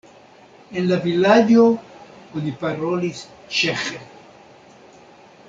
En la vilaĝo oni parolis ĉeĥe.